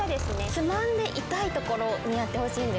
つまんで痛いところにやってほしいんです。